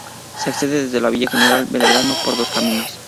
Se accede desde Villa General Belgrano, por dos caminos.